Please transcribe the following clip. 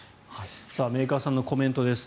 メーカーさんのコメントです。